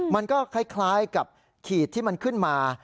มันก็คล้ายกับขีดที่มันขึ้นมา